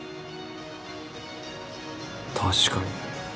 確かに。